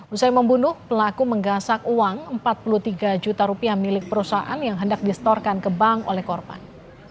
usai membunuh pelaku menggasak uang empat puluh tiga juta rupiah milik perusahaan yang hendak distorkan ke bank oleh korban